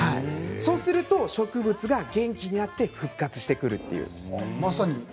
そうすると植物が元気になって復活してくる。